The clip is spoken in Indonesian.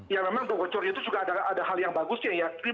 ya memang bocor itu juga ada hal yang bagusnya ya